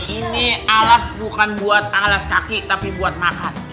ini alas bukan buat alas kaki tapi buat makan